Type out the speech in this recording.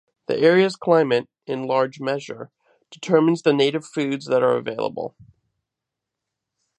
The area's climate, in large measure, determines the native foods that are available.